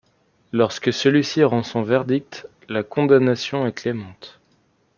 Lorsque celui-ci rend son verdict, la condamnation est clémente.